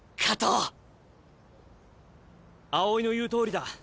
青井の言うとおりだ。